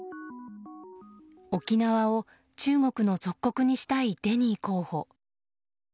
沖縄を中国の属国にしたいデニー候補。